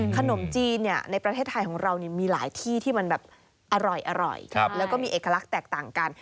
ขนมจีนในประเทศไทยของเรามีหลายที่ที่มันแบบอร่อยแล้วก็มีเอกลักษณ์แตกต่างกัน